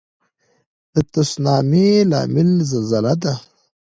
د تسونامي لامل زلزله ده.